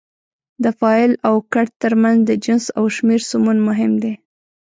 د فاعل او کړ ترمنځ د جنس او شمېر سمون مهم دی.